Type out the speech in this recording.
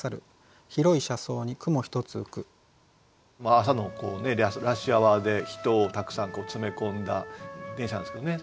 朝のラッシュアワーで人をたくさん詰め込んだ電車なんですけどね